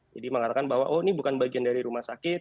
jadi mengatakan bahwa ini bukan bagian dari rumah sakit